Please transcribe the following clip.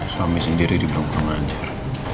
suami sendiri di belom pengajar